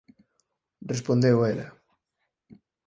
respondeu ela.